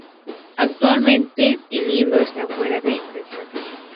Actualmente, el libro está fuera de impresión.